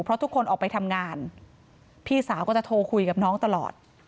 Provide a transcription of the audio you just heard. เพราะทุกคนออกไปทำงานพี่สาวก็จะโทรคุยกับน้องตลอด